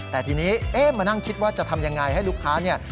แต่ทีนี้เอ๊ะมานั่งคิดว่าจะทำยังไงให้ลูกค้าเนี่ย